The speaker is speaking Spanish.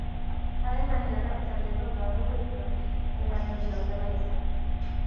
Además es la capital del Condado de Wicklow, en la región de Leinster.